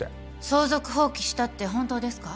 相続放棄したって本当ですか？